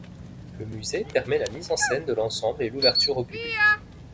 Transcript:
Le musée permet la mise en scène de l'ensemble et l'ouverture au public.